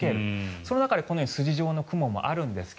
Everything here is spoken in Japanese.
その中でこのように筋状の雲もあるんですが